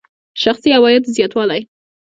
شخصي عوایدو زیاتوالی.